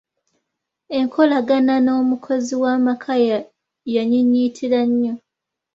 Enkolagana n'omukozi w'awaka yanyiinyiitira nnyo.